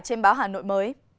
trên báo hà nội mới